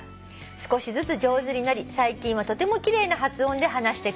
「少しずつ上手になり最近はとても奇麗な発音で話してくれます」